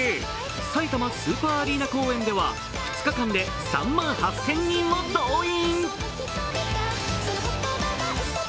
さいたまスーパーアリーナ公演では２日間で３万８０００人を動員。